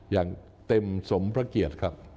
อย่างเต็มสมพระเกียรติครับ